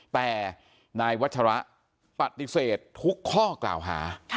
แต่นายวัชระปฏิเสธทุกข้อกล่าวหา